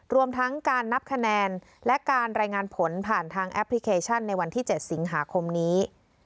รวมทั้งการนับคะแนนและการรายงานผลผ่านทางแอปพลิเคชันในวันที่๗สิงหาคมนี้